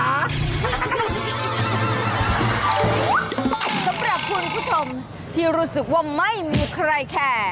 สำหรับคุณผู้ชมที่รู้สึกว่าไม่มีใครแคร์